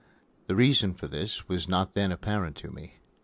The reason for this was not then apparent to me.